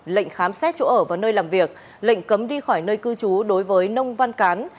lệnh khám xét chỗ ở và nơi làm việc lệnh cấm đi khỏi nơi cư trú đối với nông văn cán